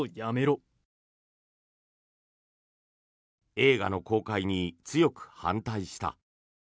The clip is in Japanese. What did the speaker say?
映画の公開に強く反対した。